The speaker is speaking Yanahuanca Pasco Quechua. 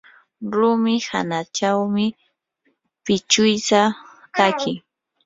rumi hanachawmi pichiwsa takin.